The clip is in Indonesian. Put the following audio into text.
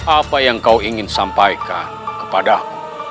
apa yang kau ingin sampaikan kepadamu